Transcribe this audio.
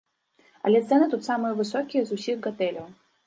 Але цэны тут самыя высокія з усіх гатэляў.